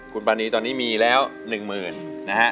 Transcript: คุณปานีตอนนี้มีแล้ว๑หมื่นนะฮะ